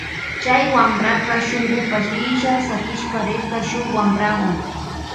Chay wampraka shungupash illa sakishpa rirka shuk wamprawuan.